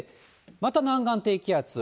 また南岸低気圧。